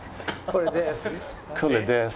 これです。